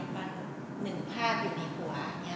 บางหนึ่งภาพอยู่ในหัว